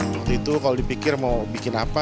waktu itu kalau dipikir mau bikin apa